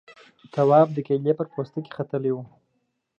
تواب پر کيلې پوستکي ختلی و.